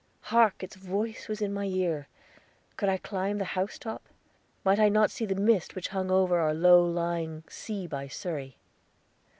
Hark! Its voice was in my ear! Could I climb the housetop? Might I not see the mist which hung over our low lying sea by Surrey?